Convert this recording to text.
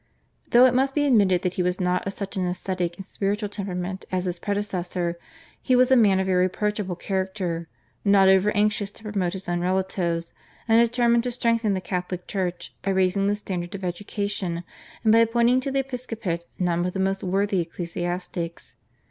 Though it must be admitted that he was not of such an ascetic and spiritual temperament as his predecessor, he was a man of irreproachable character, not over anxious to promote his own relatives, and determined to strengthen the Catholic Church by raising the standard of education and by appointing to the episcopate none but the most worthy ecclesiastics.